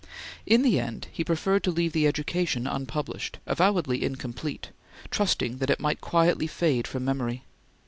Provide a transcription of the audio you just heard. In the end, he preferred to leave the "Education" unpublished, avowedly incomplete, trusting that it might quietly fade from memory.